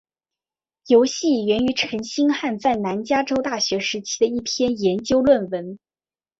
游戏源于陈星汉在南加州大学时期的一篇研究论文。